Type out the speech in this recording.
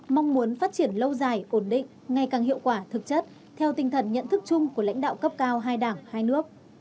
mong muốn phát triển lâu dài ổn định ngày càng hiệu quả thực chất theo tinh thần nhận thức chung của lãnh đạo cấp cao hai đảng hai nước